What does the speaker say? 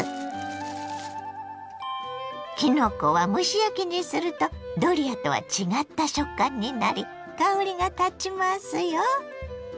きのこは蒸し焼きにするとドリアとは違った食感になり香りがたちますよ。